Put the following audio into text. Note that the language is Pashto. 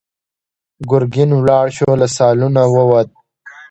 ګرګين ولاړ شو، له سالونه ووت.